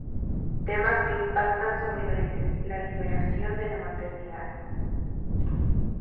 Temas que impactan sobre la liberación de la maternidad.